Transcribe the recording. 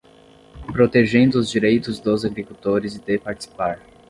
Protegendo os direitos dos agricultores de participar